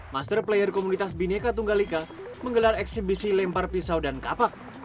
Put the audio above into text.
master player komunitas bineka tunggal ika menggelar eksibisi lempar pisau dan kapak